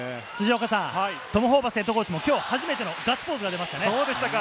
トム・ホーバスＨＣもきょう初めてのガッツポーズが出ましたね。